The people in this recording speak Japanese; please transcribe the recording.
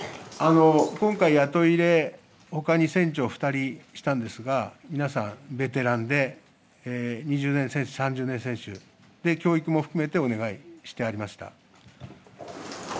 今回雇い入れ、ほかに船長２人にしたんですが、皆さんベテランで、２０年選手、３０年選手、教育も含めてお願いしてありました。